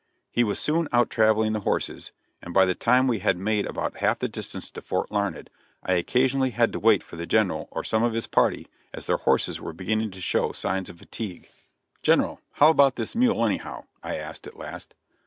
He was soon out traveling the horses, and by the time we had made about half the distance to Fort Larned, I occasionally had to wait for the General or some of his party, as their horses were beginning to show signs of fatigue. "General, how about this mule, anyhow?" I asked, at last.